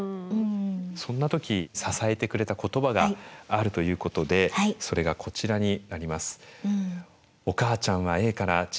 そんな時支えてくれた言葉があるということでそれがこちらになります。